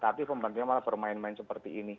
tapi pembantunya malah bermain main seperti ini